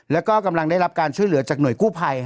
แล้วก็กำลังได้รับการช่วยเหลือจากหน่วยกู้ภัย